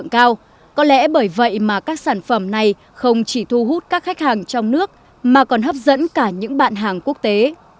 các khách hàng trong nước mà còn hấp dẫn cả những bạn hàng quốc tế